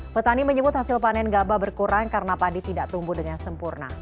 petani menyebut hasil panen gabah berkurang karena padi tidak tumbuh dengan sempurna